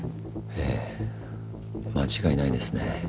ええ間違いないですね。